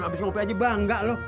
baru abis ngopi aja bangga lu